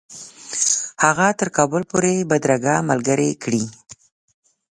هغه تر کابل پوري بدرګه ملګرې کړي.